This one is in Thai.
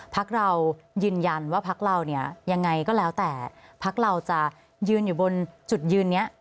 พักเรายืนยันว่าพักเราเนี่ยยังไงก็แล้วแต่พักเราจะยืนอยู่บนจุดยืนนี้